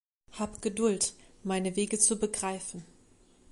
Hab Geduld, meine Wege zu begreifen.